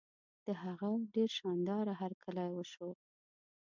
د هغه ډېر شان داره هرکلی وشو.